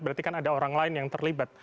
berarti kan ada orang lain yang terlibat